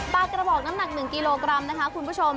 กระบอกน้ำหนัก๑กิโลกรัมนะคะคุณผู้ชม